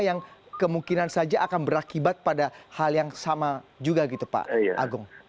yang kemungkinan saja akan berakibat pada hal yang sama juga gitu pak agung